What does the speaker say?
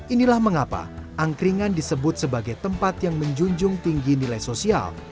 inilah mengapa angkringan disebut sebagai tempat yang menjunjung tinggi nilai sosial